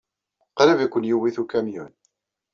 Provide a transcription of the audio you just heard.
Qrib ay ken-iwit ukamyun.